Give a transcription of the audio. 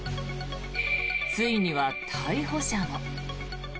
ついには逮捕者も。